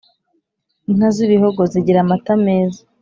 Inka zibihogo zigira amata meza